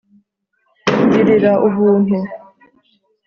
ngirira ubuntu